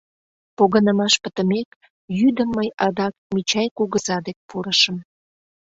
Погынымаш пытымек, йӱдым мый адак Мичай кугыза дек пурышым.